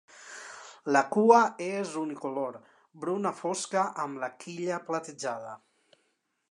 La cua és unicolor: bruna fosca amb la quilla platejada.